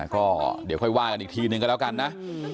ก็เดี๋ยวค่อยว่ากันอีกทีนึงก็แล้วกันนะ